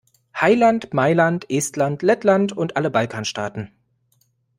Heiland, Mailand, Estland, Lettland und alle Balkanstaaten!